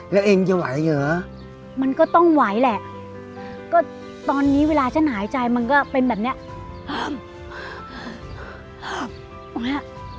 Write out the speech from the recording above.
แล้วเองจะไหวเหรอมันก็ต้องไหวแหละก็ตอนนี้เวลาฉันหายใจมันก็เป็นแบบเนี้ย